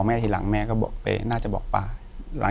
อยู่ที่แม่ศรีวิรัยยิลครับ